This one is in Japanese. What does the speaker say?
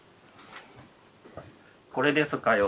これですかよ。